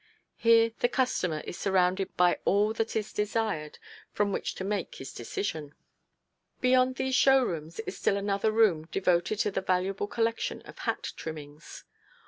Here the customer is surrounded by all that is desired from which to make his selection. [Illustration: A BIT OF THE OFFICES] Beyond these show rooms is still another room devoted to the valuable collection of hat trimmings.